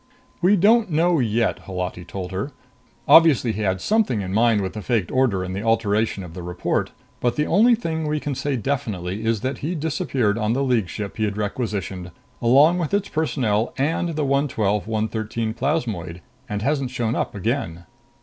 "We don't know yet," Holati told her. "Obviously he had something in mind with the faked order and the alteration of the report. But the only thing we can say definitely is that he disappeared on the League ship he had requisitioned, along with its personnel and the 112 113 plasmoid, and hasn't shown up again.